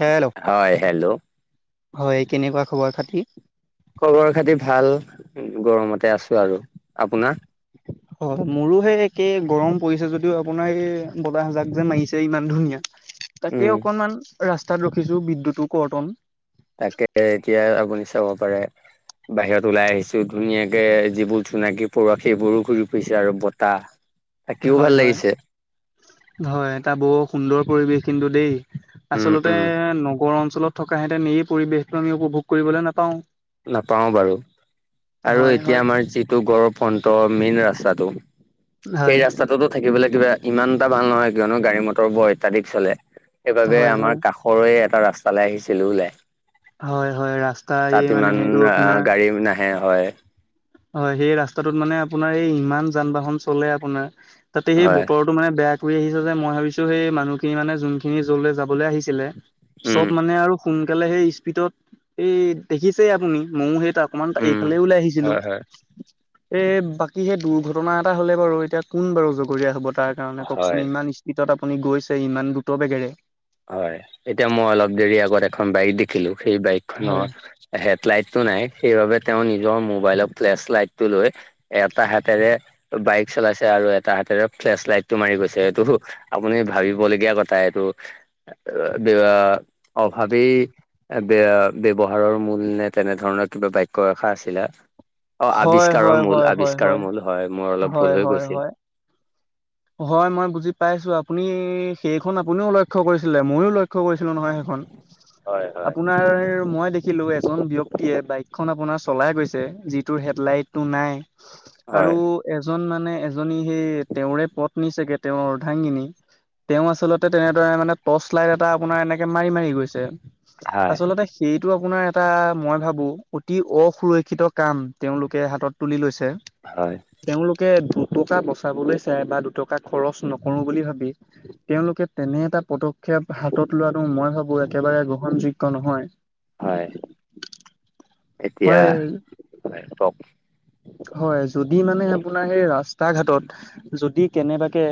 Hello হয় hello হয় কেনেকুৱা খবৰ খাতি? খবৰ খাতি ভাল, গৰমতে আছোঁ আৰু আপোনাৰ? হয় মোৰো সেই একে, গৰম পৰিছে যদিও আপোনাৰ এই বতাহজাক যে মাৰিছে ইমান ধুনীয়া। উম তাকেই অকণমান ৰাস্তাত ৰখিছোঁ বিদ্যুতো কৰ্তন তাকে, এতিয়া আপুনি চাব পাৰে বাহিৰত ওলাই আহিছো ধুনীয়াকে যিবোৰ জোনাকী পৰুৱা সেইবোৰো ঘূৰি ফুৰিছে আৰু বতাহ [inaudible] হয় ভাল হয়। লাগিছে হয়, এটা বৰ সুন্দৰ পৰিৱেশ কিন্তু দেই। উম আচলতে, উম নগৰ অঞ্চলত থকাহেঁতেন এই পৰিৱেশটো আমি উপভোগ কৰিবলৈ নাপাওঁ। নাপাওঁ বাৰু, আৰু হয় এতিয়া হয় আমাৰ যিটো [unintelligible] ফ্ৰণ্টৰ মেইন ৰাস্তাটো হয় সেই ৰাস্তাটোতো থাকিবলে কিবা ইমান এটা ভাল নহয় কিয়নো, গাড়ী মটৰ বৰ অত্যাধিক চলে সেইবাবে হয় হয় আমাৰ কাষ ষৰেই এটা ৰাস্তালে আহিছিলোঁ ওলাই। হয় হয় ৰাচ সিমান আ, গাড়ীও নাহে হয়। হয়, সেই ৰাস্তাটোত মানে আপোনাৰ এই ইমান যান-বাহন চলে আপোনাৰ, তাতে সেই হয় বতৰ টো মানে বেয়া কৰি আহিছে যে, মই ভাবিছোঁ সেই মানুহখিনি মানে যোনখিনি যলে যাবলে আহিছিলে উম চব মানে আৰু সোনকালে সেই স্পীডত এই দেখিছেই আপুনি মইও সেই তা অকমান তা উম, এইফালেই ওলাই আহিছিলোঁ। হয়, হয়। এ, বাকী সেই দুৰ্ঘটনা এটা হ'লে বাৰু এতিয়া কোন বাৰু জগৰীয়া হ'ব তাক কাৰণে হয়, কওঁকচোন ইমান স্পীডত আপুনি গৈছে ইমান দ্ৰুত বেগেৰে। হয়, এতিয়া মই অলপ দেৰি আগত এখন বাইক দেখিলোঁ সেই বাইক খনৰ হয়। হেড লাইটটো নাই সেইবাবে তেওঁ নিজৰ মোবাইলৰ ফ্লেছ লাইটটো লৈ এটা হাতেৰে বাইক চলাইছে আৰু এটা হাতেৰে ফ্লেছ লাইটটো মাৰি গৈছে। এটোটো আপুনি ভাবিবলগীয়া কথা এইটো, [unintelligible] অভাৱেই [unintelligible] ব্যৱহাৰৰ মূল নে তেনেধৰণৰ কিবা বাক্য এশাৰ আছিলে। অ', হয় আৱিষ্কাৰৰ হয় মূল হয় হয় আৱিষ্কাৰৰ মূল হয়, মোৰ অলপ ভুল হয় হৈ হয় গৈছিল। হয়। হয় মই বুজি পাইছোঁ আপুনি সেইখন আপুনিও লক্ষ্য কৰিছিলে ময়ো লইক ক্ষ্য কৰিছিলোঁ নহয় সেইখন হয়, হয়, আপোনাৰ মই দে খিলো এজন ব্যক্তিয়ে বাইকখন আপোনাৰ চলাই গৈছে যিটোৰ হেডলাইটটো নাই। আৰু হয়, এজন মানে এজনী সেই তেওঁৰে পত্নী চাগে তেওঁৰ অৰ্ধাগিনী তেওঁ আচলতে তেনেদৰে মানে টৰ্চলাইট এটা আপোনাৰ এনেকে মাৰি মাৰি গৈছে। হয়, আচলতে সেইটো আপোনাৰ এটা মই ভাবোঁ অতি অসুৰক্ষিত কাম তেওঁলোকে হাতত তুলি লৈছে। হয়। তেওঁলোকে দুটকা বচাবলে চাই বা দু টকা খৰচ নকৰো বুলি ভাবি তেওঁলোকে তেনে এটা পদক্ষেপ হাতত লোৱাটো মই ভাবোঁ বোৰ একেবাৰে গ্ৰহণযোগ্য নহয়। হয়। এতিয়া, হয় হয় কওঁক হয় যদি মানে আপোনাৰ সেই ৰাস্তা ঘাটত যদি কেনেবাকে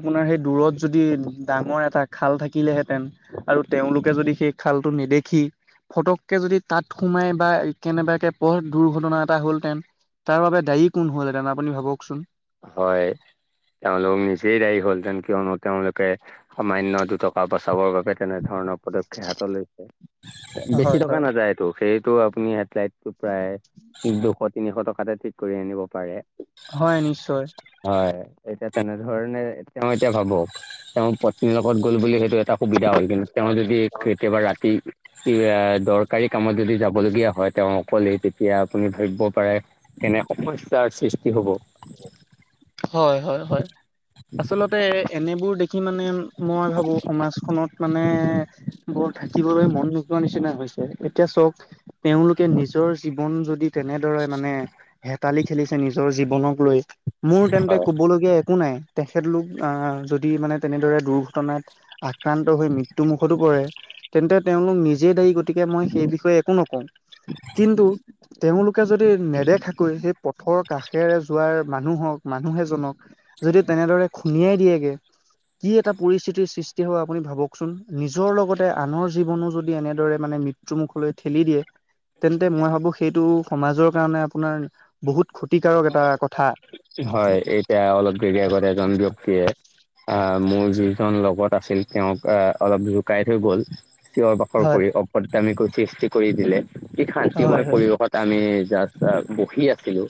আপোনাৰ সেই দূৰত যদি ডাঙৰ এটা খাল থাকিলেহেঁতেন আৰু তেওঁলোকে যদি সেই খালটো নেদেখি ফটককে যদি তাত সোমাই বা কেনেবাকে পথ দুৰ্ঘটনা এটা হ'লহেতেন। তাৰ বাবে দায়ী কোন হ'লহেতেন, আপুনি ভাবকচোন? হয়। তেওঁলোক নিজেই দায়ী হ'লহেতেন, কিয়নো তেওঁলোকে সামান্য দুটকা বচাবৰ বাবে তেনে ধৰণৰ পদক্ষেপ হাতত লৈছে। বেছি হয় টকা হয়। নাযায়টো। সেইটো আপুনি ফ্লাইট টো প্ৰায় দুশ তিনিশ টকাতে ঠিক কৰি আনিব পাৰে। হয়, নিশ্চয়। হয়, এতিয়া তেনে ধৰণে তেওঁ এতিয়া ভাবক। তেওঁৰ পত্নীৰ লগত গ'ল বুলি সেইটো এটা সুবিধা হ'লহেতেন। তেওঁ যদি কেতিয়াবা ৰাতি দৰকাৰী কামত যদি যাবলগীয়া হয় তেওঁ অকলে, তেতিয়া আপুনি ভাবিব পাৰে কেনে সমস্যাৰ সৃষ্টি হ'ব। হয় হয় হয়। আচলতে এনেবোৰ দেখি মানে মই ভাবোঁ সমাজখনত মানে এ বৰ থাকিবলৈ মন নোযোৱা নিচিনা হৈছে। এতিয়া চক? তেওঁলোকে নিজৰ জীৱন যদি তেনেদৰে মানে হেতালি খেলিছে নিজৰ জীৱনক লৈ। মোৰ তেন্তে হয় ক'বলগীয়া একো নাই। তেখেতলোক আ যদি মানে তেনেদৰে দুৰ্ঘটনাত আক্ৰান্ত হৈ মৃত্যু মুুখতো পৰে। তেন্তে তেওঁলোক নিজেই দায়ী, গতিকে মই সেই বিষয়ে একো নকওঁ। কিন্তু তেওঁলোকে যদি নেদেখাকৈ সেই পথৰ কাষেৰে যোৱাৰ মানুহ হওঁক মানুহ এজনক যদি তেনেদৰে খুন্দিয়াই দিয়েগে, কি এটা পৰিস্থিতিৰ সৃষ্টি হব আপুনি ভাবকচোন? নিজৰ লগতে আনৰ জীৱনো যদি এনেদৰে মানে মৃত্যুমুখলৈ ঠেলি দিয়ে। তেন্তে মই ভাবোঁ সেইটো সমাজৰ কাৰণে আপোনাৰ বহুত ক্ষতিকাৰক এটা কথা হয়। এতিয়া অলপ দেৰি আগত এজন ব্যক্তিয়ে আহ মোৰ যিজন লগত আছিল তেওঁক আহ অলপ জোকাই থৈ গ'ল। চিঞৰ বাখৰ হয় কৰি অভদামিকো সৃষ্টি কৰি দিলে। কি হয় শান্তিময় হয় পৰিৱেশত আমি জাষ্ট বহি আছিলো।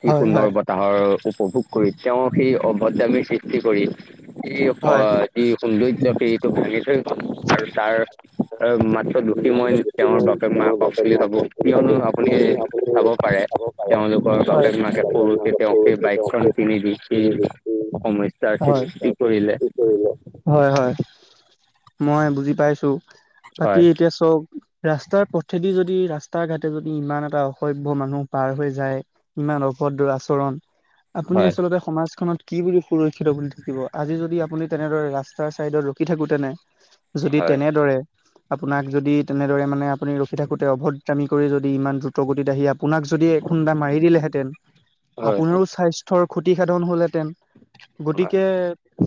কি হয় সুন্দৰ বতাহৰ উপভোগ কৰি। তেওঁ সেই অভদামীৰ সৃষ্টি কৰি এই হয় হয় [unintelligible] এই সৌন্দৰ্য বেৰিটো ভাঙি থৈ গ'ল আৰু তাৰ দুখি মই তেওঁৰ মই বাপেক তেওঁৰ মাকক বাপেক বুলি ভাবো। নাথাকক বুলি কিয়নো ভাবো আপুনি কিয়নো আপুনি চাব পাৰে। চাব পাৰে তেওঁলোকৰ বাপেক মাকে সৰুতে তেওঁক সেই বাইকখন হয় কিনি দি, সেই সমস্যাৰ হয়। সৃষ্টি কৰিলে। তাৰপিছত হয় হয়। মই বুজি পাইছোঁ। বাকি হয় এতিয়া চওঁক, ৰাস্তাৰ পথেদি যদি ৰাস্তা ঘাটে যদি ইমান এটা অসভ্য মানুহ পাৰ হৈ যায়। ইমান অভদ্ৰ আচৰণ। আপুনি হয় আচলতে সমাজখনত কি বুলি সুৰক্ষিত বুলি থাকিব? আজি যদি আপুনি তেনেদৰে ৰাস্তাৰ ছাইডত ৰখি থাকোঁতেনে যদি হয় তেনেদৰে, আপোনাক যদি তেনেদৰে মানে আপুনি ৰখি থাকোতে অভদ্ৰামি কৰি যদি ইমান দ্ৰুত গতিত আহি আপোনাক যদি এখুন্দা মাৰি দিলেহেঁতেন? আপোনাৰোঁ সাস্থ থৰ ক্ষতি সাধন হ'লেহেতেন? হয় গতিকে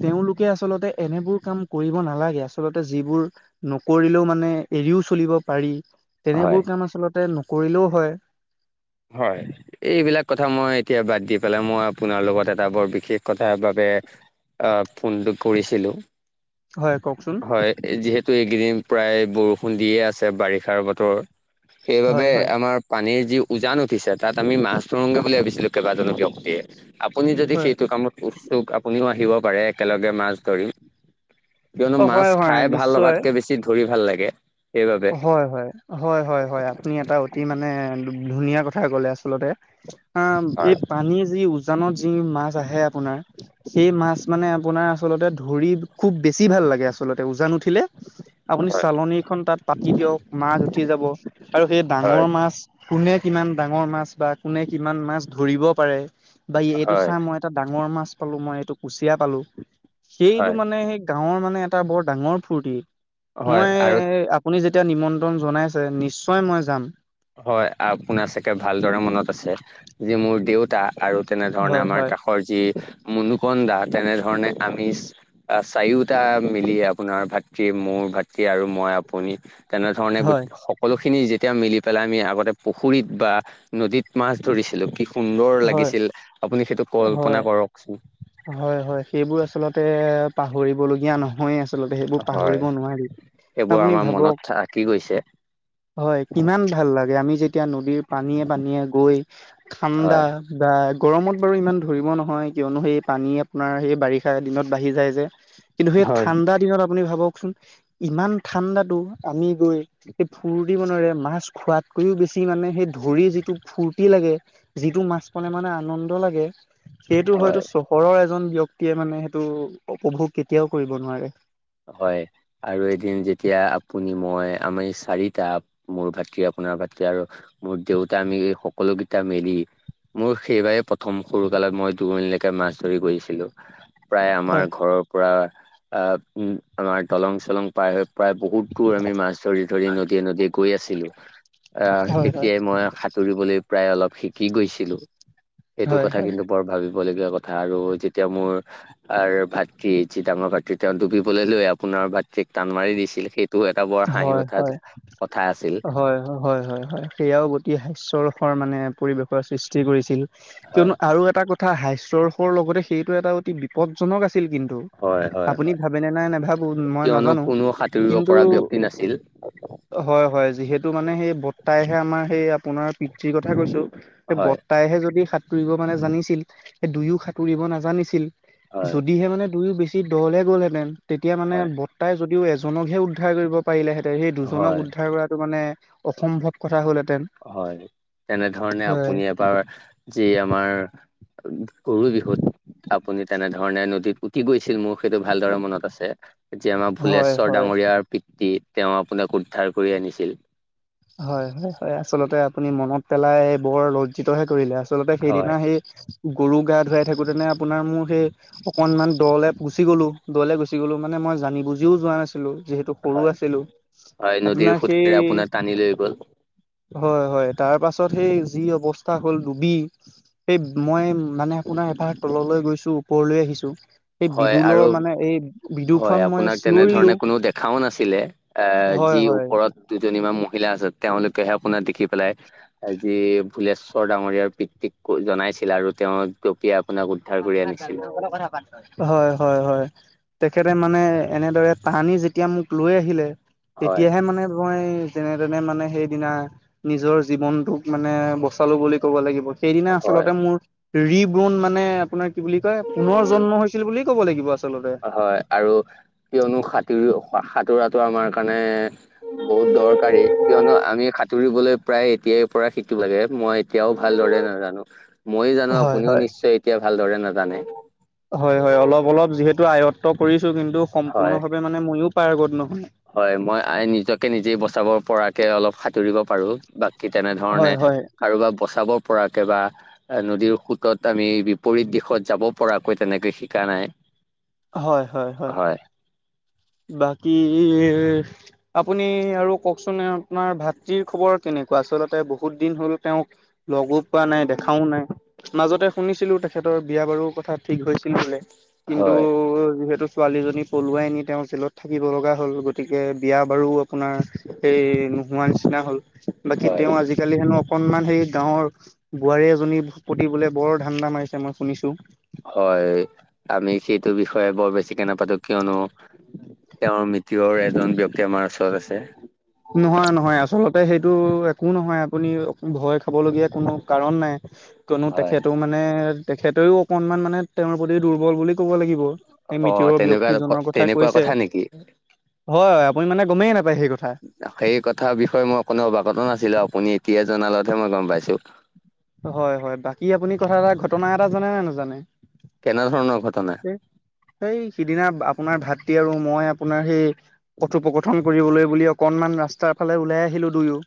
তেওঁলোকে আচলতে এনেবোৰ কাম কৰিব নালাগে। আ আচলতে যিবোৰ নকৰিলেও মানে এৰিও চলিব পাৰি। হয়। তেনেবোৰ কাম আচলতে কৰিলো হয়। হয়। এইবিলাক কথা মই এতিয়া বাদ দি পেলাই মই আপোনাৰ লগত এটা বৰ বিশেষ কথাৰ বাবে অ ফোনটো কৰিছিলোঁ হয় কওকচোন হয় যিহেতু এইকেইদিন প্ৰায় বৰষুণ দিয়ে আছে বাৰিষাৰ বতৰ সেইবাবে হয় হয় আমাৰ পানীৰ যি উজান উঠিছে তাত আমি মাছ ধৰোগে বুলি ভাবিছিলো কেইবাজনো ব্যক্তিয়ে আপুনি যদি হয় সেইটো কামত উৎসুক আপুনিও আহিব পাৰে একেলগে মাছ ধৰি কিয়নো অ মাছ হয় হয় খাই ভাল নিশ্চয় লগাতকে বেছি ধৰি ভাল লাগে। সেইবাবে হয় হয় হয় হয় হয় আপুনি এটা অ মানে ধুনীয়া কথা ক'লে আচলতে আ এই হয় পানী যি উ- উজানত যি মাছ আহে আপোনাৰ সেই মাছ মানে আপোনাৰ আচলতে ধৰি খুব বেছি ভাল লাগে আচলতে উজান উঠিলে আপুনি হয় চালনীখন তাত পাতি দিয়ক মাছ উঠি যাব আৰু সেই হয় ডাঙৰ মাছ মাছ কোনে কিমান ডাঙৰ মাছ বা কোনে কিমান মাছ ধৰিব পাৰে। বা এইটো হয় চাহ মই এটা ডাঙৰ মাছ পালো মই এইটো কুচিয়া পালো সেইটো হয় মানে সেই গাঁৱৰ মানে এটা বৰ ডাঙৰ ফূৰ্তি হয় মই আৰু আপুনি যেতিয়া নিমন্ত্ৰণ জনাইছে নিশ্চয় মই যাম হয় আপোনাৰ চাগে ভালদৰে মনত আছে যে মোৰ দেউতা। আৰু তেনেধৰণে হয় আমাৰ হয় কাষৰ যি মুনুকনদা তেনেধৰণে আমি চাৰিওটা মিলি আপোনাৰ ভাতৃ মোৰ ভাতৃ আৰু মই আপুনি তেনেধৰণে হয় সকলো খিনি যেতিয়া মিলি পেলাই আমি আগতে পুখুৰীত বা নদীত মাছ ধৰিছিলো কি সুন্দৰ হয় লাগিছিল আপুনি সেইটো কল্পনা হয় কৰকচোন হয় হয় সেইবোৰ আচলতে পাহৰিবলগীয়া নহয়ে আ আচলতে সেইবোৰ হয় পাহৰিব নোৱাৰি আপুনি ভাবক কি কৈছে হয় কিমান ভাল লাগে আমি যেতিয়া নদীৰ পানীয়ে পানীয়ে গৈ ঠাণ্ডা হয় বা গৰমত বাৰু ইমান ধৰিব নহয় কিয়নো সেই পানী আপোনাৰ সেই বাৰিষা দিনত বাঢ়ি যায় যে কিন্তু সেই হয় ঠাণ্ডা দিনত আপুনি ভাবকচোন ইমান ঠাণ্ডাতো আমি গৈ ফূুৰ্তি মনেৰে মাছ খোৱাত কৈও বেছি মানে সেই ধৰি যিটো ফূুৰ্তি লাগে যিটো মাছ পালে মানে আনন্দ লাগে সেইটো হয় হয়তো চহৰৰ এজন ব্যক্তিয়ে মানে সেইটো উপভোগ কেতিয়াও কৰিব নোৱাৰে হয় আৰু এদিন যেতিয়া আপুনি মই আমাৰ এই চাৰিটা মোৰ ভাতৃ আপোনাৰ ভাতৃ আৰু মোৰ দেউতা আমি সকলো কেইটা মেলি মোৰ সেইবাৰে প্ৰথম সৰু কালত মই দুমণিলৈকে মাছ ধৰি গৈছিলো। প্ৰায় আমাৰ হয় ঘৰৰ পৰা আহ উম আমাৰ দলং চলং পাৰ হৈ প্ৰায় বহুত দূৰ আমি মাছ ধৰি ধৰি নদীয়ে নদীয়ে গৈ আছিলো। আহ হয় হয় তেতিয়াই মই সাঁতুৰিবলৈ প্ৰায় অলপ শিকি গৈছিলো সেইটো হয় কথা হয় কিন্তু বৰ ভাবিব লগীয়া কথা আৰু যেতিয়া মোৰ ভাতৃ যি ডাঙৰ ভাতৃ তেওঁ ডুবি লৈ লৈ আপোনাৰ ভাতৃক টান মাৰি দিছিল সেইটো এটা বৰ হাঁহি হয় উঠা হয় কথা আছিল। হয় হয় হয় সেয়াও অতি হাস্যৰসৰ মানে পৰিৱেশৰ সৃষ্টি কৰিছিল হয় কিয়নো আৰু এটা কথা হাস্যৰসৰ লগতে সেইটো এটা অতি বিপদজনক আছিল কিন্তু হয় হয় আপুনি হয় ভাবে নে নাই নেভাবো মই নাজানো কিন্তু, ছিল হয় হয় যিহেতু মানে সেই বৰ্তাইহে আমাৰ সেই আপোনাৰ পিতৃৰ কথা কৈছো। সেই হয় বৰ্তাইহে যদি সাঁতুৰিব মানে জানিছিল সেই দুয়ো সাঁতুৰিব নাজানিছিল। হয় যদিহে মানে দুয়ো বেছি দঁ লে গ'লহেঁতেন তেতিয়া মানে হয় তাই যদিও এজনকহে উদ্ধাৰ কৰিব পাৰিলেহেঁতে, সেই দুজনক হয় উদ্ধাৰ কৰাটো মানে অসম্ভৱ কথা হ'লহেঁতেন। হয়, তেনেধৰণে হয়, আপুনি এবাৰ যি আমাৰ গৰু বিহুত আপুনি তেনেধৰণে নদীত উটি গৈছিল মোৰ সেইটো ভালদৰে মনত আছে। যেতিয়া আমাৰ হয়, ভুলশ্বৰ হয়, ডাঙৰীয়াৰ পিতৃ তেওঁ আপোনাক উদ্ধাৰ কৰি আনিছিল। হয় হয় হয় আচলতে আপুনি মনত পেলাই বৰ লজ্জিত হে কৰিলে, আচলতে সেইদিনা হয় সেই গৰু গা ধুৱাই থাকোতেনে আপোনাৰ মোৰ সেই অকনমান দঁ লে গুচি গ'লো দঁ লে গুচি গ'লো মানে মই জানি বুজিও যোৱা নাছিলো যিহেতু সৰু হয় আছিলো, হয় নদীৰ আপোনাৰ সেই সোঁতেৰে আপোনাক টানি লৈ গ'ল। হয় হয় তাৰ পাছত সেই যি অৱস্থা হ'ল ডুবি সেই মই মানে আপোনাৰ এবাৰ তললৈ গৈছো ওপৰলৈ আহিছো। এই হয় বিদুলৰ আৰু মানে এই বিদু হয় খং মই আপোনাক চিঞৰিলো তেনেধৰণে কোনো দেখাও নাছিলে। এ হয়, যি হয়, ওপৰত দুজনীমান মহিলা আছে, তেওঁলোকেহে আপোনাক দেখি পেলাই। আজি ভুলেশ্বৰ ডাঙৰীয়াৰ পৃতিক জনাইছিল আৰু তেওঁ জপিয়ে আপোনাক উদ্ধাৰ কৰি আনিছিল। হ তই কথা পাত। হয় হয় হয়, তেখেতে মানে এনেদৰে টানি যেতিয়া মোক লৈ আহিলে। হয় তেতিয়াহে মানে মই যেনে তেনে মানে সেইদিনা নিজৰ জীৱনটোক মানে বচালো বুলি ক'ব লাগিব। সেইদিনা হয় আচলতে মোৰ ৰিবন মানে আপোনাৰ কি বুলি কয় পুনৰ জন্ম হৈছিল বুলি ক'ব লাগিব আচলতে। হয় আৰু কিয়নো সাতৰি সাঁতোৰাটো আমাৰ কাৰণে বহুত দৰকাৰী, কিয়নো আমি সাঁতুৰিবলৈ প্ৰায় এতিয়াই পৰা শিকো লাগে। মই এতিয়াও ভালদৰে নাজানো। ময়ো জানো হয় আপুনিও হয়। নিশ্চয় এতিয়া ভালদৰে নাজানে। হয় হয় অলপ অলপ যিহেতু আয়ত্ব কৰিছো কিন্তু সম্পূৰ্ণ হয় ভাৱে মানে নে মইয়ো পাৰগত নহয়। হয়, মই নিজকে নিজে বচাব পৰাকে অলপ সাঁতুৰিব পাৰো। বাকী তেনেধৰণে হয় হয় কাৰোবাক বচাব পৰাকে বা নদীৰ সোঁতত আমি বিপৰীত দিশত যাব পৰাকৈ তেনেকে শিকা নাই। হয় হয় হয়। বাকী আপুনি আৰু কওকচোন আপোনাৰ ভাতৃ খবৰ কেনেকুৱা আচলতে বহুত দিন হ'ল তেওঁক লগো পোৱা নাই, দেখাও নাই। মাজতে শুনিছিলো, তেখেতৰ বিয়া বাৰু কথা ঠিক হৈছিল বোলে। কিন্তু হয় যিহেতু ছোৱালীজনী পলুৱাই নি তেওঁ জেলত থাকিব লগা হ'ল, গতিকে বিয়া বাৰু আপোনাৰ সেই নোহোৱা নিচিনা হ'ল। বাকী হয় তেওঁ আজিকালি হেনো অকনমান সেই গাঁৱৰ বোৱাৰী এজনীৰ পতিবলে বৰ ধান্দা মাৰিছে মই শুনিছো। হয় আমি সেইটো বিষয়ে বৰ বেছিকে নাপাতো কিয়নো তেওঁৰ মিতিঙৰে এজন ব্যয়ক্তি আমাৰ ওচৰত আছে। নহয় নহয় আচলতে সেইটো একো নহয় আপুনি ভয় খাব লগীয়া কোনো কাৰণ নাই। কিয়নো হয় তেখেতক মানে তেখেতেও অকনমান মানে তেওঁৰ প্ৰতি দুৰ্বল বুলি কব লাগিব। এই অ মৃতুৰৰ তেনেকুৱা ব্যক্তিজনৰ ক- কথা তেনেকুৱা কৈছে নেকি হয় আপুনি মানে গমেই নাপায় সেই কথা সেই কথা বিষয়ে মই অকনো অৱাগত নাছিলো আপুনি এতিয়াই জনালতহে মই গম পাইছো হয় হয় বাকী আপুনি কথা এটা ঘটনা এটা জানে নে নাজানে কেনেধৰণৰ ঘটনা সেই সিদিনা আপোনাৰ ভাইটী আৰু মই আপোনাৰ সেই কথোপকথন কৰিবলৈ বুলি অকনমান ৰাস্তাৰ ফালে ওলাই আহিলো দুয়ো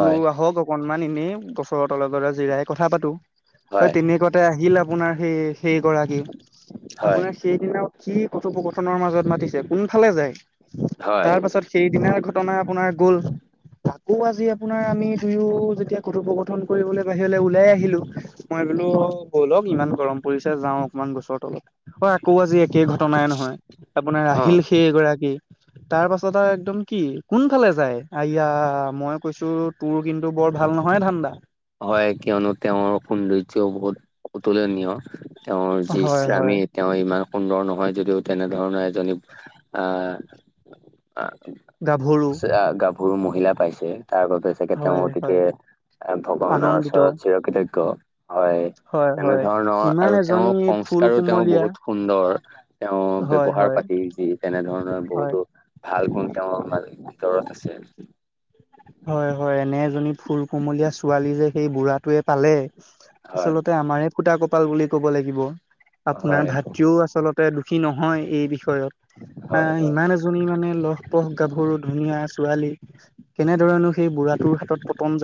বোলো আহক অকনমান এনেই বছৰ তলৰ দলে জিৰাই কথা পাতো হয়। তেনেকুৱাতে আহিল আপোনাৰ সেই সেই গৰাকী হয় আপোনাৰ সেইদিনা কি কথোপকথনৰ মাজত মাতিছে কোনফালে যায় হয় তাৰ পাছত সেইদিনাৰ ঘটনা আপোনাৰ গল আকৌ আজি আপোনাৰ আমি দুয়ো যেতিয়া কঠোপকথন কৰিবলৈ গৈ বাহিৰলৈ ওলাই আহিলো মই বোলো বলক ইমান গৰম পৰিছে যাওঁ অকনমান গছৰ তলত অ আকৌ আজি একে ঘটনাই নহয় আপোনাৰ অ আহিল সেইগৰাকী তাৰ পাছত আৰু একদম কি কোনফালে যায় আয়া মই কৈছো তোৰ কিন্তু বৰ ভাল নহয় ধাণ্ডা হয় কিয়নো তেওঁৰ সৌন্দৰ্যও বহুত অতুলনীয়। তেওঁৰ যি হয় হয় স্বামী তেওঁ ইমান সুন্দৰ নহয় যদিও তেনেধৰণৰ এজনী আহ গাভৰু গাভৰু মহিলা পাইছে তাৰ বাবে তেওঁ হয় হয় গতিকে ভগৱানৰ আনন্দিত ওচৰত চিৰকৃতজ্ঞ হয়। তেনে হয় ধৰণৰ ইমান আৰু এজনী তেওঁৰ ফুল সংস্কাৰো তেওঁ কুমলীয়া বহুত সুন্দৰ তেওঁ হয় ব্যৱহাৰ হয় পাতি দি তেনেধৰণৰ হয় বহুতো ভাল গুণ তেঁওৰ ভিতৰত আছে। হয় হয় এনে এজনী ফুল কোমলীয়া ছোৱালী যে সেই বুঢ়াটোৱে পালে। হয় আচলতে আমাৰে ফুটা কপাল বুলি ক'ব লাগিব আপোনাৰ হয় ভাতৃও আচলতে দুখী নহয় এই বিষয়ত আ হয় হয় ইমান জনী মানে লহপহ গাভৰু ধুনীয়া ছোৱালী কেনেধৰনো সেই বুঢ়া তৰ হাতত পতন